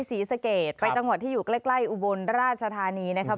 ศรีสะเกดไปจังหวัดที่อยู่ใกล้อุบลราชธานีนะครับ